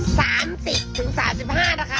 สามสิบถึงสามสิบห้านะคะ